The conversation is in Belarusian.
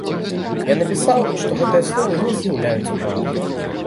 Я напісаў, што гэтыя словы не з'яўляюцца праўдай.